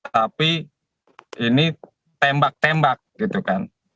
tapi ini tembak tembak gitu kan